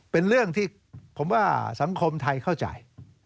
เป็นเรื่องที่ผมว่าสังคมไทยเข้าใจ